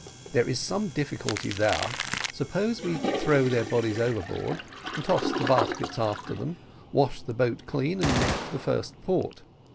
"There is some difficulty there suppose we throw their bodies overboard, toss the baskets after them, wash the boat clean, and make for the first port.